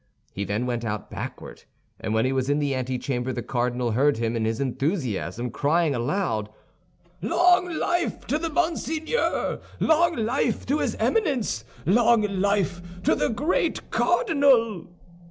He then went out backward, and when he was in the antechamber the cardinal heard him, in his enthusiasm, crying aloud, "Long life to the Monseigneur! Long life to his Eminence! Long life to the great cardinal!"